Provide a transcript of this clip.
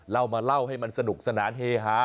เรามาเล่าให้มันสนุกสนานเฮฮา